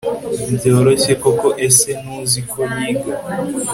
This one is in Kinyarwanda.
byoroshye koko ese ntuzi ko yiga